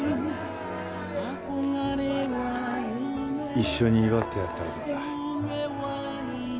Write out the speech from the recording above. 一緒に祝ってやったらどうだ？